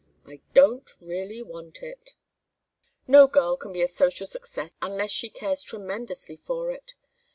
I don't really want it. No girl can be a social success unless she cares tremendously for it.